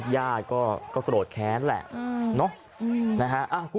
ญาติก็โกรธแค้นแหละ